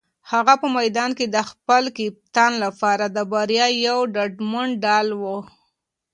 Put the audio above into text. هغه په میدان کې د خپل کپتان لپاره د بریا یو ډاډمن ډال دی.